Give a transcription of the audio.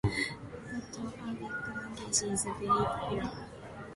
But Arabic language is very popular for Islamic studies.